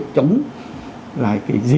để tính lây lan được